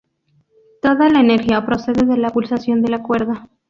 Toda la energía procede de la pulsación de la cuerda.